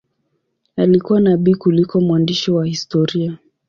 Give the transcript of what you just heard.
Alikuwa nabii kuliko mwandishi wa historia.